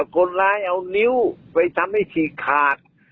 คนร้ายเอานิ้วไปทำให้ฉีกขาด